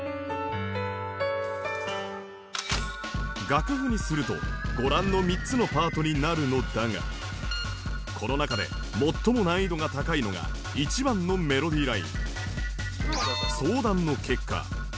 楽譜にするとご覧の３つのパートになるのだがこの中で最も難易度が高いのが１番のメロディライン